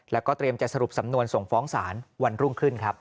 แล้วก็เตรียมจะสรุปสำนวนส่งฟ้องศาลวันรุ่งขึ้นครับ